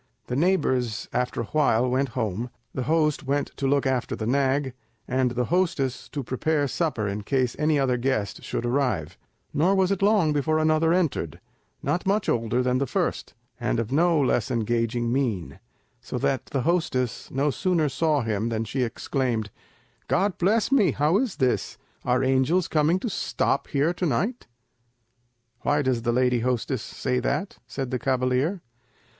The neighbours after a while went home, the host went to look after the nag, and the hostess to prepare supper in case any other guest should arrive; nor was it long before another entered, not much older than the first, and of no less engaging mien, so that the hostess no sooner saw him than she exclaimed, "God bless me! how is this? Are angels coming to stop here to night?" "Why does the lady hostess say that?" said the cavalier.